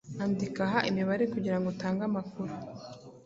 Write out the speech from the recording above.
andikiha imibare kugirango utange amakuru